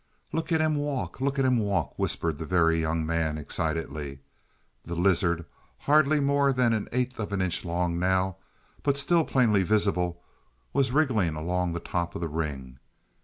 "Look at him walk; look at him walk," whispered the Very Young Man excitedly. The lizard, hardly more than an eighth of an inch long now, but still plainly visible, was wriggling along the top of the ring.